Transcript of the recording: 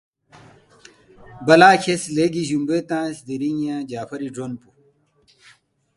بلا کھیرس لیگی جُومبوے تنگس دیرینگ ینگ جعفری گرون پو